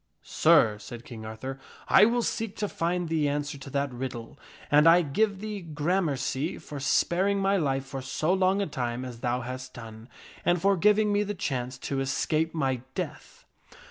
" Sir," said King Arthur, " I will seek to find the answer to that riddle, and I give thee gramercy for sparing my life for so long a time as thou hast done, and for giving me the chance to escape my death."